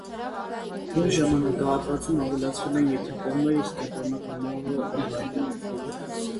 Նույն ժամանակահատվածում ավելացվել են ենթակողմերը, իսկ կենտրոնական նավը ընդլայնվել է։